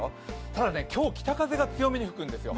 ただね、今日、北風が強めに吹くんですよ。